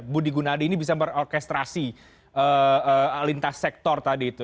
budi gunawan ini bisa merorkestrasi lintas sektor tadi itu